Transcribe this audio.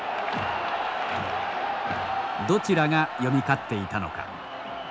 どちらが読み勝っていたのか。